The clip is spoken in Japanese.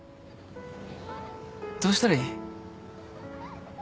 どうしたらいい？